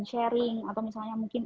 sharing atau misalnya mungkin